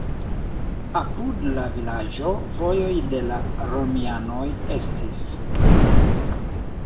Apud la vilaĝo vojoj de la romianoj estis.